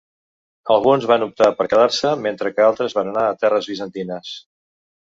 Alguns van optar per quedar-se, mentre que altres van anar a terres bizantines.